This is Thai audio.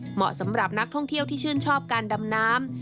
เหมาะสำหรับนักท่องเที่ยวที่ชื่นชอบการดำน้ำ